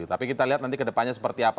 tapi kita lihat nanti kedepannya seperti apa